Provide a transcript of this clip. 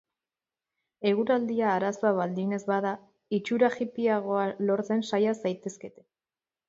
Eguraldia arazoa baldin ez bada, itxura hippyagoa lortzen saia zaitezkete.